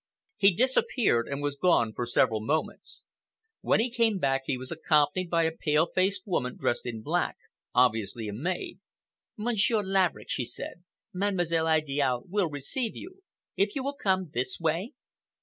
He disappeared and was gone for several moments. When he came back he was accompanied by a pale faced woman dressed in black, obviously a maid. "Monsieur Laverick," she said, "Mademoiselle Idiale will receive you. If you will come this way?"